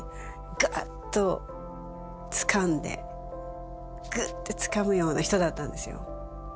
ガッとつかんでグッてつかむような人だったんですよ。